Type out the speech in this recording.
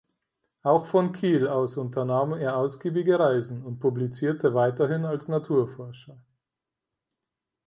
Auch von Kiel aus unternahm er ausgiebige Reisen und publizierte weiterhin als Naturforscher.